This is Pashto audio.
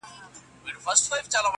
زمري وویل خوږې کوې خبري-